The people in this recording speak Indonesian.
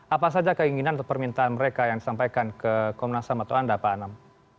apa saja keinginan atau permintaan mereka yang disampaikan ke komnas ham atau anda pak anam